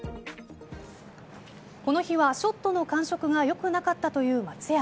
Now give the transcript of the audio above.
この日は、ショットの感触が良くなかったという松山。